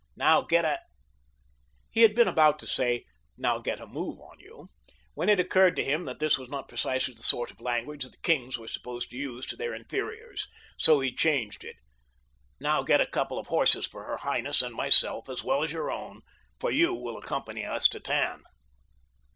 "Now get a—" He had been about to say: "Now get a move on you," when it occurred to him that this was not precisely the sort of language that kings were supposed to use to their inferiors. So he changed it. "Now get a couple of horses for her highness and myself, as well as your own, for you will accompany us to Tann."